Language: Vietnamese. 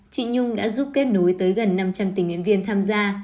chị nhung đã giúp kết nối tới gần năm trăm linh tình nguyện viên tham gia